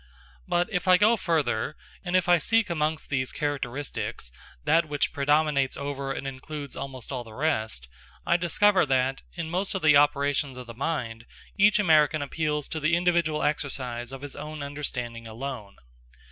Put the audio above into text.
But if I go further, and if I seek amongst these characteristics that which predominates over and includes almost all the rest, I discover that in most of the operations of the mind, each American appeals to the individual exercise of his own understanding alone.